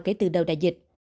kể từ đầu đại dịch